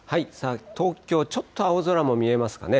東京、ちょっと青空も見えますかね。